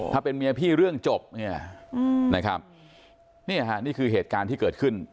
ถ้าเป็นเมียพี่เรื่องจบเนี่ยนะครับเนี่ยฮะนี่คือเหตุการณ์ที่เกิดขึ้น